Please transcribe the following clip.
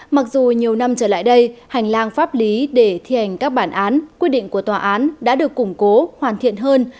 mặc dù nhiều năm trở lại đây hành lang pháp lý để thi hành các bản án quyết định của tòa án đã được củng cố hoàn thiện hơn